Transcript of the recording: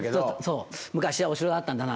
昔はお城だったんだな。